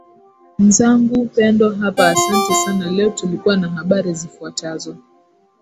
nzangu pendo hapa asante sana leo tulikuwa na habari zifuatazo